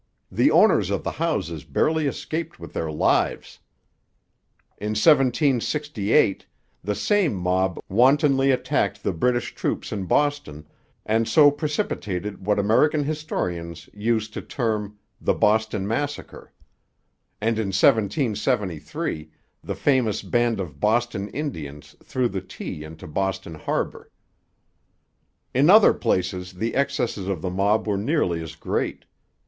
The owners of the houses barely escaped with their lives. In 1768 the same mob wantonly attacked the British troops in Boston, and so precipitated what American historians used to term 'the Boston Massacre'; and in 1773 the famous band of 'Boston Indians' threw the tea into Boston harbour. In other places the excesses of the mob were nearly as great.